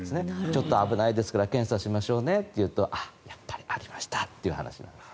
ちょっと危ないですから検査しましょうというとやっぱりありましたという話なんです。